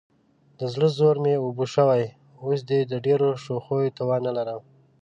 د زړه زور مې اوبه شوی، اوس دې د ډېرو شوخیو توان نه لرم.